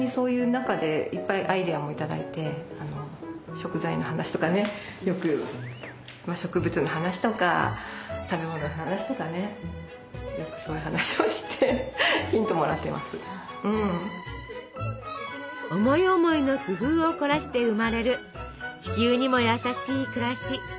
食材の話とかねよく植物の話とか食べ物の話とかねよくそういう話をして思い思いの工夫を凝らして生まれる地球にも優しい暮らし。